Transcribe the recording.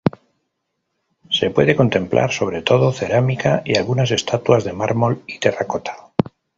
Se puede contemplar sobre todo cerámica y algunas estatuas de mármol y terracota.